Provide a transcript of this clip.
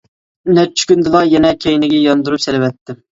نەچچە كۈندىلا يەنە كەينىگە ياندۇرۇپ سېلىۋەتتىم.